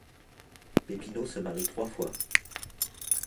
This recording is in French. Peppino se marie trois fois.